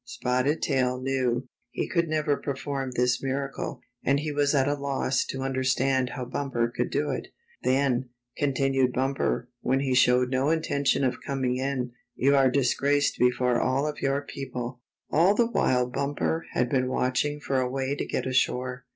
Spotted Tail knew he could never perform this miracle, and he was at a loss to un derstand how Bumper could do it. " Then," con tinued Bumper when he showed no intention of coming in, " you are disgraced before all of your people." The Test of Wits 57 All the while Bumper had been watching for a way to get ashore.